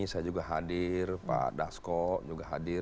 saya juga hadir pak dasko juga hadir